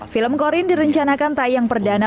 film corin direncanakan tayang perdana